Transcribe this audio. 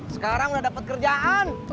sekarang udah dapet kerjaan